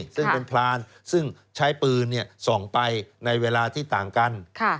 ซึ่งเป็นพรานซึ่งใช้ปืนส่องไปในเวลาที่ต่างกัน